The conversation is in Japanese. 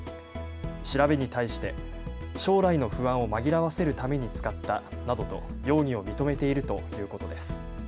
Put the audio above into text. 調べに対して、将来の不安を紛らわせるために使ったなどと容疑を認めているということです。